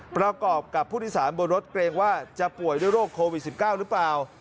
ประกอบกับผู้โดยสารบนรถเกรงว่าจะป่วยด้วยโรคโควิด๑๙หรือเปล่า